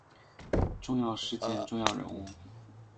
重要事件重要人物